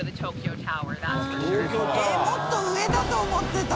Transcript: えっもっと上だと思ってた。